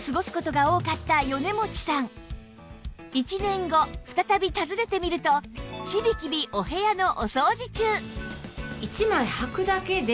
１年後再び訪ねてみるとキビキビお部屋のお掃除中